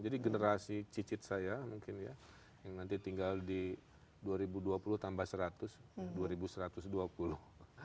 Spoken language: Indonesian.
jadi generasi cicit saya mungkin ya yang nanti tinggal di dua ribu dua puluh tambah seratus dua ribu satu ratus dua puluh